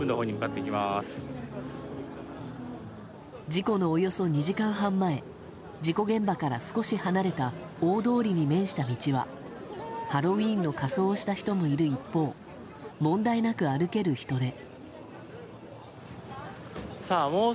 事故のおよそ２時間半前事故現場から少し離れた大通りに面した道はハロウィーンの仮装をした人がいる一方問題なく歩ける人出。